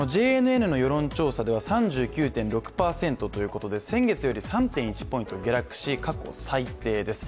ＪＮＮの世論調査では３９．６％ということで先月より３．１％下落し過去最低です。